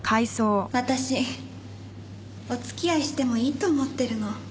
私お付き合いしてもいいと思ってるの。